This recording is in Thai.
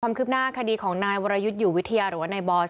ความคืบหน้าคดีของนายวรยุทธ์อยู่วิทยาหรือว่านายบอส